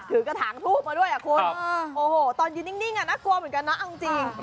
ถือกระถางทูบมาด้วยตอนยืนดิ้งน่ากลัวเหมือนกันนะจริง